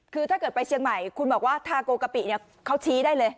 คือถ้าเกิดไปเชียงใหม่คุณบอกว่าทาโกกะปิเนี่ยเขาชี้ได้เลย